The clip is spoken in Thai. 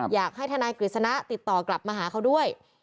อยากให้ทนายกฤษณะติดต่อกลับมาหาเขาด้วย